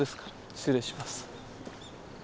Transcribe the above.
失礼します。